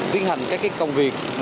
tiến hành các công việc